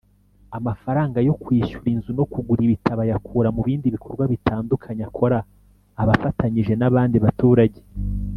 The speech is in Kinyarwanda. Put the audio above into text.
amafaranga yo kwishyura inzu no kugura ibitabo ayakura mu bindi bikorwa bitandukanye akora abafatanyije n’abandi baturage